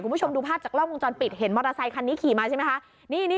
คุณผู้ชมดูภาพจากกล้องวงจรปิดเห็นมอเตอร์ไซคันนี้ขี่มาใช่ไหมคะ